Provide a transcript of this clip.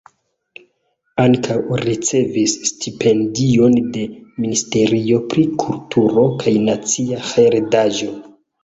Ankaŭ ricevis stipendion de Ministerio pri Kulturo kaj Nacia Heredaĵo.